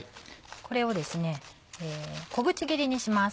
これを小口切りにします。